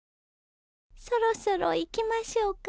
そろそろ行きましょうか。